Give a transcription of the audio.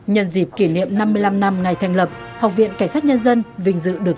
nhân dịp kỷ niệm năm mươi năm năm ngày thành lập học viện cảnh sát nhân dân vinh dự được